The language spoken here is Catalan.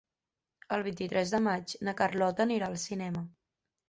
El vint-i-tres de maig na Carlota anirà al cinema.